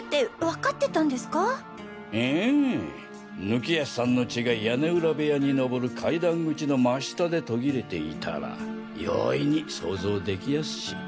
貫康さんの血が屋根裏部屋にのぼる階段口の真下で途切れていたら容易に想像できやすし。